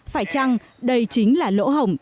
phải chăng đây chính là lỗ hổng